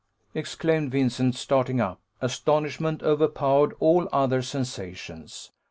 exclaimed Vincent, starting up. Astonishment overpowered all other sensations.